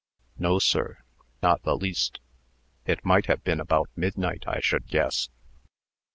"No, sir; not the least. It might have been about midnight, I should guess."